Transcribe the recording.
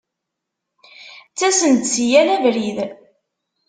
Ttasen-d si yal abrid.